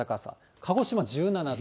鹿児島１７度。